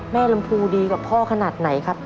ลำพูดีกับพ่อขนาดไหนครับ